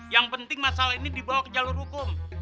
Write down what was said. yang penting masalah ini dibawa ke jalur hukum